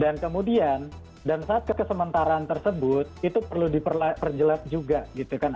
dan kemudian dan saat kekesementaran tersebut itu perlu diperjelas juga gitu kan